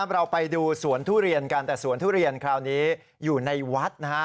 เราไปดูสวนทุเรียนกันแต่สวนทุเรียนคราวนี้อยู่ในวัดนะฮะ